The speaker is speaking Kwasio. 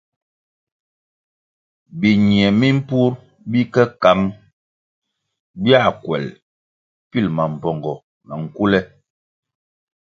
Biñie mimpur bi ke kăng bia kuel bil mambpongo na nkule.